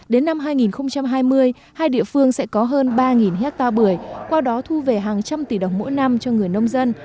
đến năm hai nghìn hai mươi hai địa phương sẽ có hơn ba hectare bưởi qua đó thu về hàng trăm tỷ đồng mỗi năm cho người nông dân